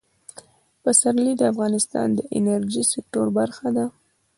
پسرلی د افغانستان د انرژۍ سکتور برخه ده.